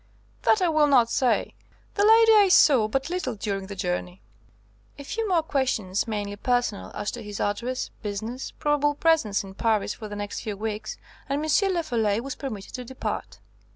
"That I will not say. The lady I saw but little during the journey." A few more questions, mainly personal, as to his address, business, probable presence in Paris for the next few weeks, and M. Lafolay was permitted to depart.